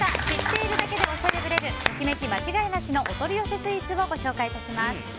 知っているだけでおしゃれぶれるときめき間違いなしのお取り寄せスイーツをご紹介します。